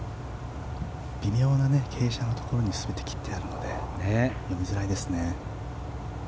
微妙な傾斜のところに全て切ってあるので読みづらいですね。